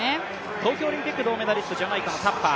東京オリンピック銅メダリストジャマイカのタッパー。